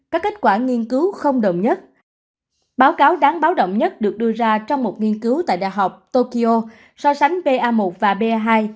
báo cáo đáng báo động nhất được đưa ra trong một nghiên cứu tại đại học tokyo so sánh ba một và ba hai